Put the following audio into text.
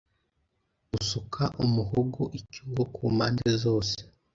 usuka umuhogo icyuho kumpande zose